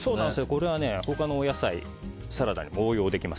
これは他のお野菜サラダにも応用できます。